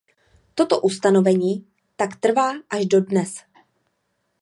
Toto ustanovení tak trvá až dodnes.